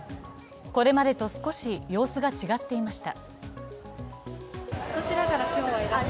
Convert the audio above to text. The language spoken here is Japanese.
これまでと少し様子が違っていました。